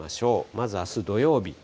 まずあす、土曜日。